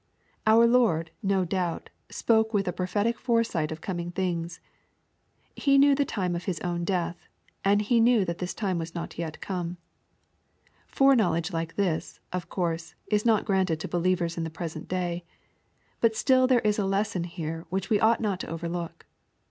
Our Lord, no doubt, spoke with a prophetic foresight of coming things. He knew the time of His own death, and He knew that this time was not yet come. Fore knowledge like this, of course, is not granted to believers in the present day. But still there is a lesson here which we ought not to overlook.